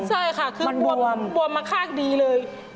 ใช่ค่ะคือมันบวมมาข้างดีเลย